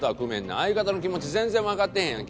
相方の気持ち全然わかってへんやんけ。